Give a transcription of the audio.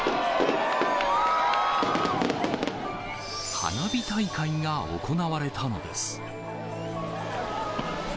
花火大会が行われたのです。